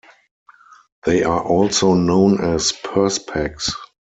They are also known as purse packs.